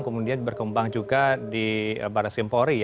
kemudian berkembang juga di barat simpori